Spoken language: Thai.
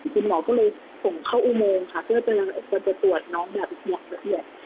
จริงหมอก็เลยส่งเข้าอูโมงค่ะเพื่อตรวจน้องแบบโดรกะเบียน